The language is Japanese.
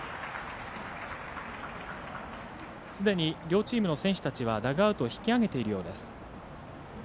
すでに両チームの選手たちはダグアウトを引き揚げているようです。